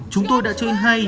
chúng tôi đã chơi hay